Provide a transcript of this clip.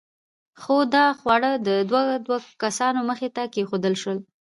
خو دا خواړه د دوو دوو کسانو مخې ته کېښوول شول.